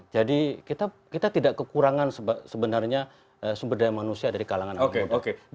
jadi kita tidak kekurangan sebenarnya sumber daya manusia dari kalangan anak muda